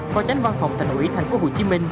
phó tránh văn phòng tp hcm